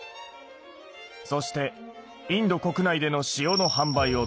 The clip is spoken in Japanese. そしてインド国内での塩の販売を独占。